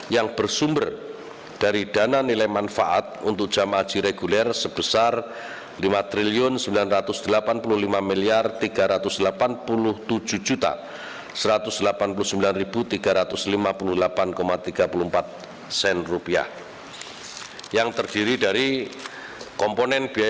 yang bersumber dari dana nilai manfaat untuk jam haji reguler sebesar rp lima sembilan ratus delapan puluh lima tiga ratus delapan puluh tujuh satu ratus delapan puluh sembilan tiga ratus lima puluh delapan tiga puluh empat sen